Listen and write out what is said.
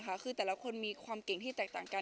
คือแต่ละคนมีความเก่งที่แตกต่างกัน